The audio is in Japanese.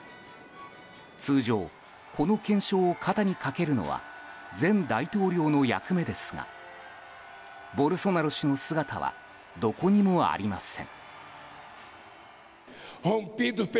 通常、この懸章を肩にかけるのは前大統領の役目ですがボルソナロ氏の姿はどこにもありません。